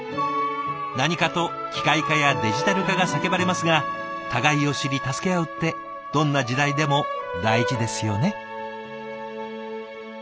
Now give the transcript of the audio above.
何かと機械化やデジタル化が叫ばれますが互いを知り助け合うってどんな時代でも大事ですよね。